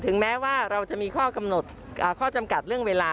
ถึงแม้ว่าเราจะมีข้อจำกัดเรื่องเวลา